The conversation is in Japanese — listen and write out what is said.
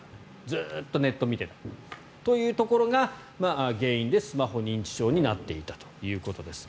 ずっとネットを見ていたというところが原因でスマホ認知症になっていたということです。